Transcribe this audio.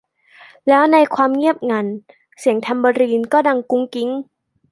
แล้ว ในความเงียบงัน เสียงแทมเบอรีนก็ดังกุ๊งกิ๊ง